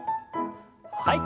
はい。